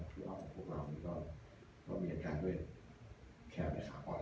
ก็พวกมันก็มีอาการด้วยแค้นในหลังหมาย